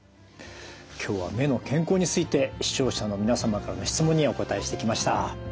今日は目の健康について視聴者の皆様からの質問にお答えしてきました。